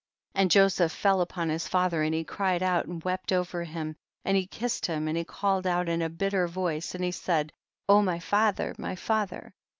23. And Joseph fell upon his father and he cried out and wept over him and he kissed him, and he called out in a bitter voice, and he said, my father, my father.